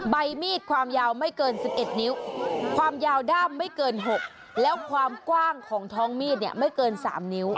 ใบมีดความยาวไม่เกิน๑๑นิ้วความยาวด้ามไม่เกิน๖แล้วความกว้างของท้องมีดเนี่ยไม่เกิน๓นิ้ว